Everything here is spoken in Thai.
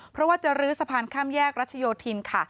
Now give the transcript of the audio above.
เพราะว่าจะลื้อสะพานข้ามแยกรัชโยธินค่ะ